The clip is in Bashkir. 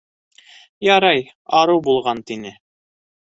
Ярай, арыу булған, - тине.